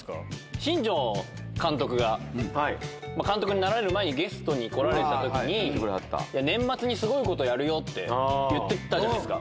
新庄監督が、監督になられる前に、ゲストに来られたときに、年末にすごいことやるよって言ってたじゃないですか。